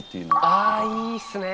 あいいっすね。